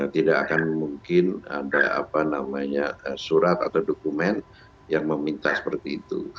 tidak akan mungkin ada surat atau dokumen yang meminta seperti itu